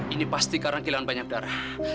ini pasti karena kehilangan banyak darah